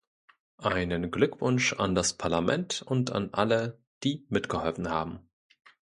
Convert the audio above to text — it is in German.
Einen Glückwunsch an das Parlament und an alle, die mitgeholfen haben.